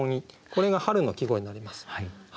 これが春の季語になります。